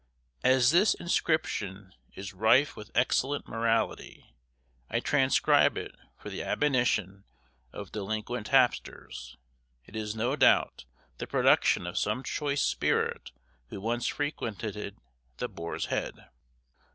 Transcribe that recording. * As this inscription is rife with excellent morality, I transcribe it for the admonition of delinquent tapsters. It is no doubt, the production of some choice spirit who once frequented the Boar's Head.